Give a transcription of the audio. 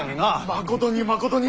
まことにまことに。